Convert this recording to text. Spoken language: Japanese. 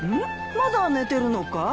まだ寝てるのかい？